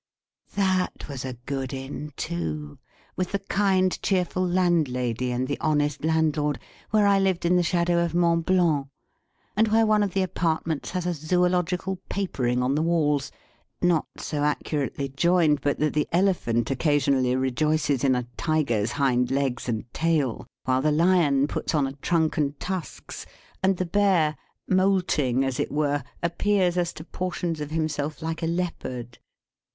That was a good Inn, too, with the kind, cheerful landlady and the honest landlord, where I lived in the shadow of Mont Blanc, and where one of the apartments has a zoological papering on the walls, not so accurately joined but that the elephant occasionally rejoices in a tiger's hind legs and tail, while the lion puts on a trunk and tusks, and the bear, moulting as it were, appears as to portions of himself like a leopard.